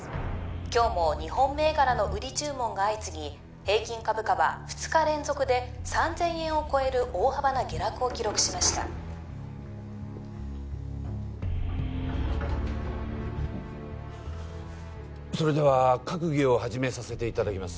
今日も日本銘柄の売り注文が相次ぎ平均株価は２日連続で三千円を超える大幅な下落を記録しましたそれでは閣議を始めさせていただきます